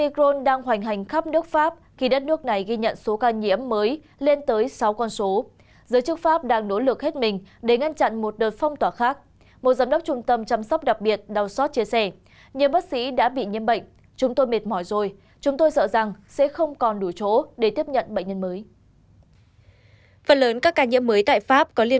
các bạn hãy đăng ký kênh để ủng hộ kênh của chúng mình nhé